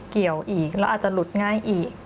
เกี่ยวอีกแล้วอาจจะหลุดง่ายอีก